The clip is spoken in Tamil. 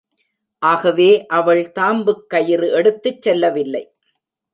ஆகவே, அவள் தாம்புக்கயிறு எடுத்துச் செல்லவில்லை.